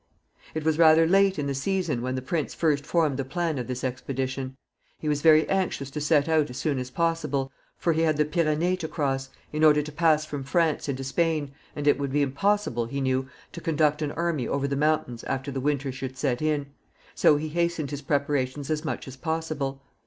It was rather late in the season when the prince first formed the plan of this expedition. He was very anxious to set out as soon as possible, for he had the Pyrenees to cross, in order to pass from France into Spain, and it would be impossible, he knew, to conduct an army over the mountains after the winter should set in; so he hastened his preparations as much as possible.